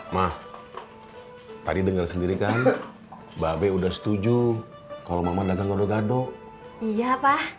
mama tadi dengar sendiri kan mba tijd udah setuju kalau mamadeng kotor kotor iya pak